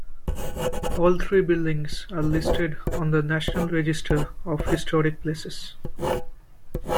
All three buildings are listed on the National Register of Historic Places.